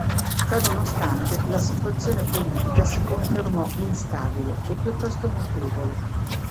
Ciò nonostante la situazione politica si confermò instabile e piuttosto mutevole.